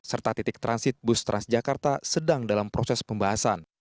serta titik transit bus transjakarta sedang dalam proses pembahasan